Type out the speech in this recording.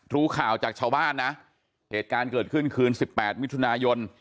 รู้ข่าวจากชาวบ้านนะเหตุการณ์เกิดขึ้นคืน๑๘มิถุนายน